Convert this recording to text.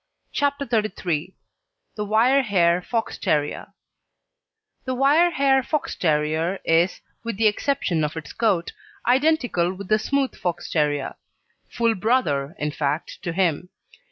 CHAPTER XXXIII THE WIRE HAIR FOX TERRIER The wire hair Fox terrier is, with the exception of its coat, identical with the smooth Fox terrier full brother in fact to him.